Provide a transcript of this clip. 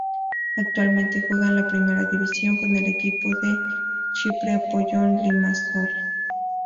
Actualmente juega en la primera division con el equipo de Chipre Apollon Limassol.